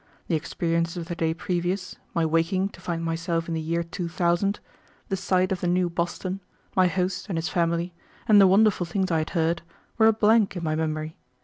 The experiences of the day previous, my waking to find myself in the year 2000, the sight of the new Boston, my host and his family, and the wonderful things I had heard, were a blank in my memory.